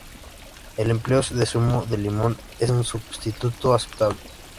El empleo de zumo de limón es un substituto aceptable.